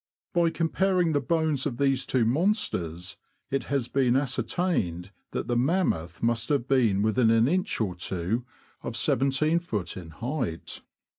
By comparing the bones of these two monsters, it has been ascertained that the mammoth must have been within an inch or two of 17ft. in height.